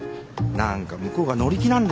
何か向こうが乗り気なんですよね